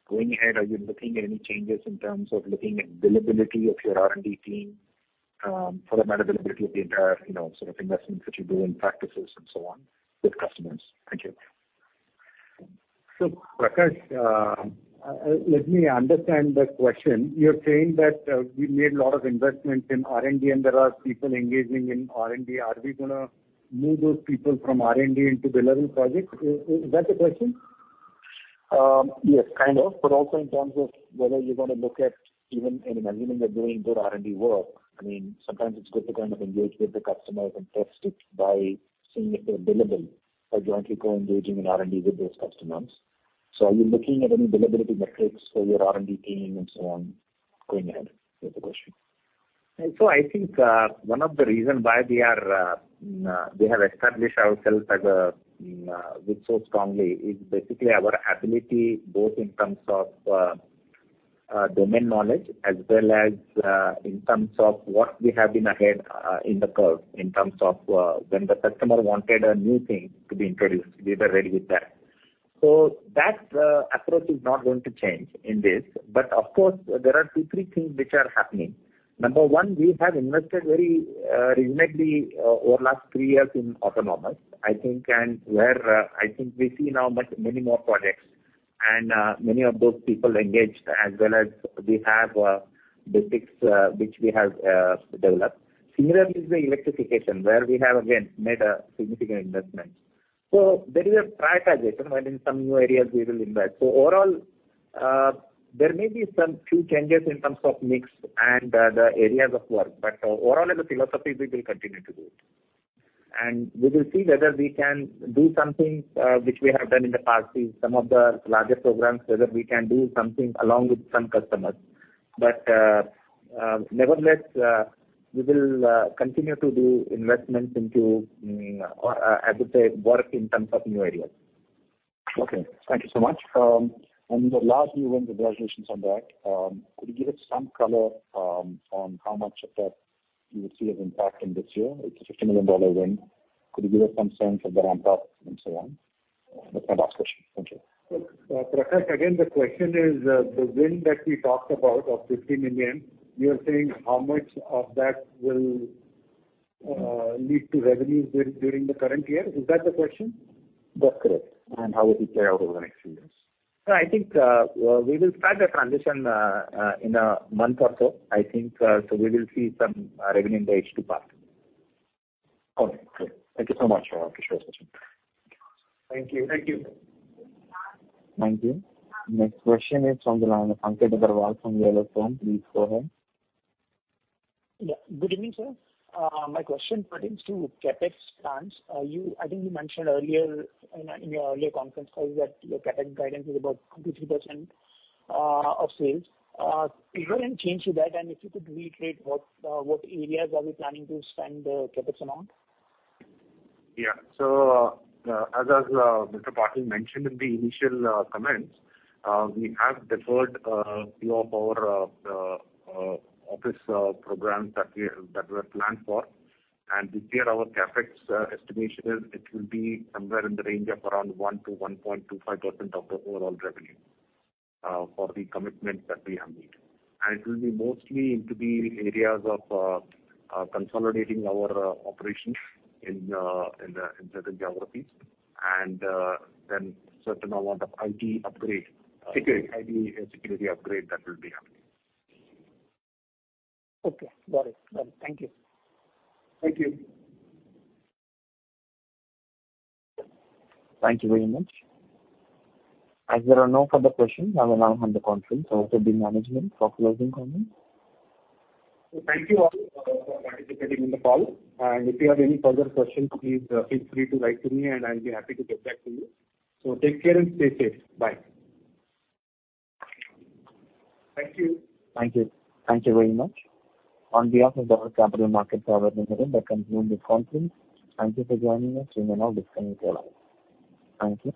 going ahead, are you looking at any changes in terms of looking at billability of your R&D team for the billability of the entire sort of investments that you do in practices and so on with customers? Thank you. Prakash, let me understand the question. You're saying that we made a lot of investments in R&D, and there are people engaging in R&D. Are we going to move those people from R&D into billable projects? Is that the question? Yes, kind of. Also in terms of whether you're going to look at even in an environment of doing good R&D work, sometimes it's good to kind of engage with the customers and test it by seeing if they're billable by jointly co-engaging in R&D with those customers. Are you looking at any billability metrics for your R&D team and so on going ahead? That's the question. I think one of the reason why we have established ourselves so strongly is basically our ability, both in terms of domain knowledge as well as in terms of what we have been ahead in the curve in terms of when the customer wanted a new thing to be introduced, we were ready with that. That approach is not going to change in this. Of course, there are two, three things which are happening. Number one, we have invested very significantly over last three years in autonomous. I think, and where I think we see now many more projects, and many of those people engaged, as well as we have the bits which we have developed. Similarly is the electrification, where we have again, made a significant investment. There is a prioritization and in some new areas we will invest. Overall, there may be some few changes in terms of mix and the areas of work. Overall, in the philosophy, we will continue to do it. We will see whether we can do something which we have done in the past, some of the larger programs, whether we can do something along with some customers. Nevertheless, we will continue to do investments into, as I said, work in terms of new areas. The large new win, congratulations on that. Could you give us some color on how much of that you would see as impact in this year? It's a INR 50 million win. Could you give us some sense of the ramp-up and so on? That's my last question. Thank you. Prakash, again, the question is the win that we talked about of 50 million, you're saying how much of that will lead to revenues during the current year? Is that the question? That's correct. How it will play out over the next few years. I think we will start the transition in a month or so. I think we will see some revenue in the H2 part. Okay, great. Thank you so much. I appreciate it. Thank you. Thank you. Next question is from Pankaj Aggarwal from Yellowstone. Please go ahead. Yeah. Good evening, sir. My question pertains to CapEx plans. I think you mentioned earlier in your earlier conference calls that your CapEx guidance is about 23% of sales. Is there any change to that? If you could reiterate what areas are we planning to spend the CapEx amount? Yeah. As Mr. Patil mentioned in the initial comments, we have deferred a few of our office programs that were planned for, this year our CapEx estimation is it will be somewhere in the range of around 1% to 1.25% of the overall revenue for the commitments that we have made. It will be mostly into the areas of consolidating our operations in certain geographies and then certain amount of IT upgrade- Security. IT security upgrade that will be happening. Okay, got it. Thank you. Thank you. Thank you very much. There are no further questions now on the conference, over to the management for closing comments. Thank you all for participating in the call. If you have any further questions, please feel free to write to me and I'll be happy to get back to you. Take care and stay safe. Bye. Thank you. Thank you. Thank you very much. On behalf of Dolat Capital Market, I would like to conclude this conference. Thank you for joining us. You may now disconnect your line. Thank you.